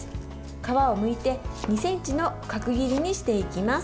皮をむいて２ｃｍの角切りにしていきます。